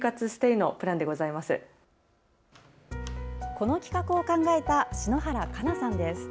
この企画を考えた篠原加奈さんです。